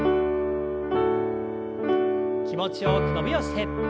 気持ちよく伸びをして。